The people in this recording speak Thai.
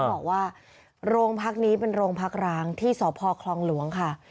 บอกว่าโรงพักนี้เป็นโรงพักร้างที่สพคลองหลวงค่ะ